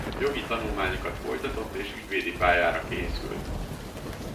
Jogi tanulmányokat folytatott és ügyvédi pályára készült.